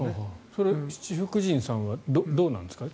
それ七福神さんはどうなんですか？